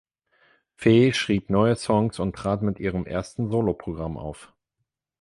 Fee schrieb neue Songs und trat mit ihrem ersten Soloprogramm auf.